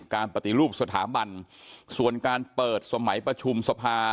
ปฏิรูปสถาบันส่วนการเปิดสมัยประชุมสภา